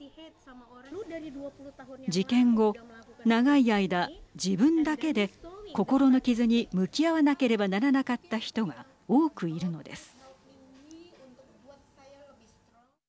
事件後、長い間自分だけで心の傷に向き合わなければならなかった人が多くいるのです。